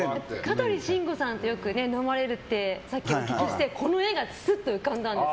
香取慎吾さんとよく飲まれるってさっきお聞きしてこの画がすっと浮かんだんです。